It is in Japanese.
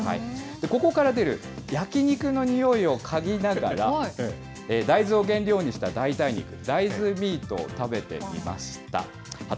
ここから出る焼き肉の匂いを嗅ぎながら、大豆を原料にした代替肉、大豆ミートを食べてみました。